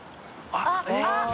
あっ！